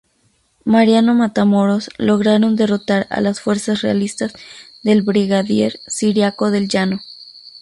Mariano Matamoros lograron derrotar a las fuerzas realistas del brigadier Ciriaco del Llano.